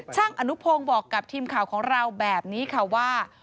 ช่างอนุพงศ์บอกกับทีมข่าวของเราแบบนี้ค่ะว่า